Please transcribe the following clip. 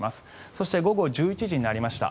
そして午後１１時になりました。